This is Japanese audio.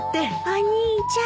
お兄ちゃん。